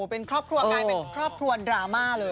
เป็นครอบครัวกลายเป็นครอบครัวดราม่าเลย